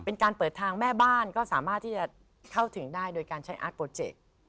เป็นการเปิดทางแม่บ้านก็สามารถที่จะเข้าถึงได้โดยการใช้อาร์ตโปรเจกต์